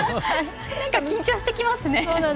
緊張してきますね。